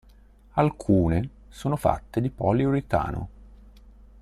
Alcune sono fatte di poliuretano.